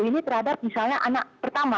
ini terhadap misalnya anak pertama